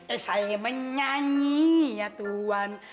eh saya menyanyi ya tuhan